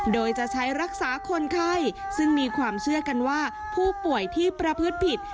โดยจะใช้รักษาคนไข้ซึ่งมีความเชื่อกันว่าผู้ป่วยที่ประพฤติผิด